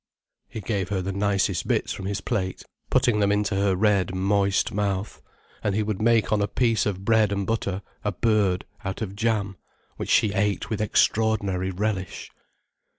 '" He gave her the nicest bits from his plate, putting them into her red, moist mouth. And he would make on a piece of bread and butter a bird, out of jam: which she ate with extraordinary relish.